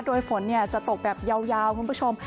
โดยฝนจะตกแบบยาวคุณผู้ชม